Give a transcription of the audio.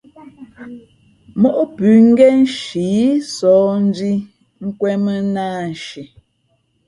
Móʼ pʉ̌ ngén nshǐ sǒh ndhī nkwēn mᾱ nāānshi.